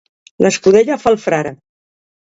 L'escudella fa el frare.